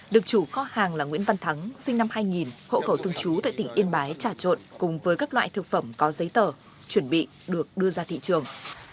được chủ kho hàng là nguyễn văn thắng sinh năm hai nghìn hộ cầu thương chú tại tỉnh yên bái trả trộn cùng với các loại thực phẩm có giấy tờ chuẩn bị được đưa ra thị trường